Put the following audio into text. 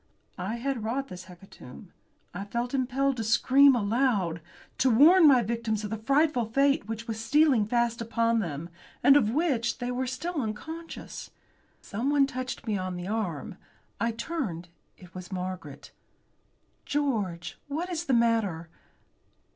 I had wrought this hecatomb. I felt impelled to scream aloud. To warn my victims of the frightful fate which was stealing fast upon them, and of which they were still unconscious. Someone touched me on the arm. I turned. It was Margaret! "George, what is the matter?"